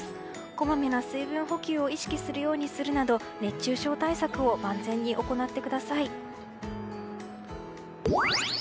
こまめな水分補給を意識するようにするなど熱中症対策を万全に行ってください。